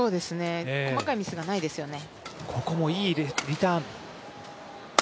細かいミスがないですよね。